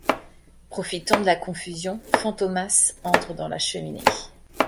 Profitant de la confusion, Fantômas entre dans la cheminée.